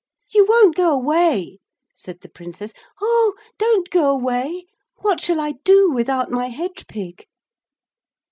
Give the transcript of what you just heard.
'You won't go away?' said the Princess. 'Ah! don't go away. What shall I do without my hedge pig?'